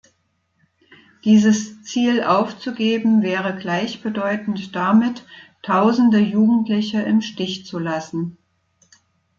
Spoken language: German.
Dieses Ziel aufzugeben wäre gleichbedeutend damit, Tausende Jugendliche im Stich zu lassen.